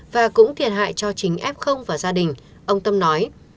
và cũng thiệt hại cho chính f và gia đình ông tâm nói